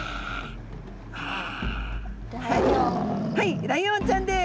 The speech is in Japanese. はいライオンちゃんです。